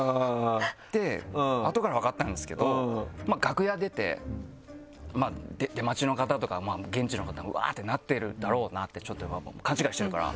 で後から分かったんですけど楽屋出て出待ちの方とか現地の方がウワってなってるだろうなってちょっと勘違いしてるから。